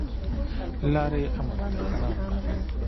لاره يې امن ده که ناامنه؟